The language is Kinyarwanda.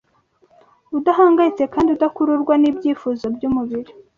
udahangayitse kandi udakururwa n’ibyifuzo by’umubiri.